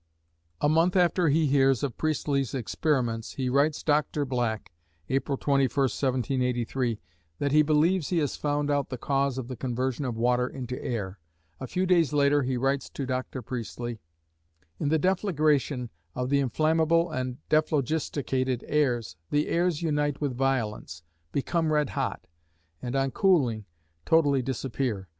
A month after he hears of Priestley's experiments, he writes Dr. Black (April 21, 1783) that he "believes he has found out the cause of the conversion of water into air." A few days later, he writes to Dr. Priestley: In the deflagration of the inflammable and dephlogisticated airs, the airs unite with violence become red hot and, on cooling, totally disappear.